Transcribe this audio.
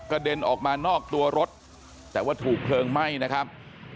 เด็นออกมานอกตัวรถแต่ว่าถูกเพลิงไหม้นะครับ